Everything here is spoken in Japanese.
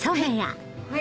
はい。